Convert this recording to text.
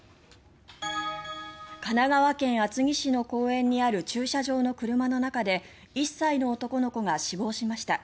神奈川県厚木市の公園にある駐車場の車の中で１歳の男の子が死亡しました。